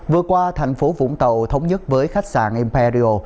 vừa qua tp vũng tàu thống nhất với khách sạn imperial